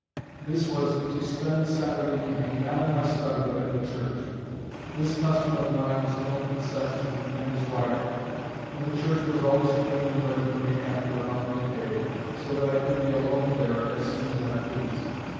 This was, to spend the Saturday evening, not in my study, but in the church. This custom of mine was known to the sexton and his wife, and the church was always clean and ready for me after about mid day, so that I could be alone there as soon as I pleased.